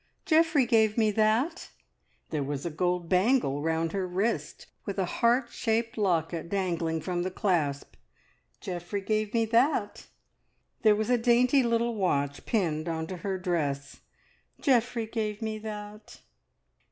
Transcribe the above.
"Geoffrey gave me that!" There was a gold bangle round her wrist, with a heart shaped locket dangling from the clasp. "Geoffrey gave me that!" There was a dainty little watch pinned on to her dress. "Geoffrey gave me that!"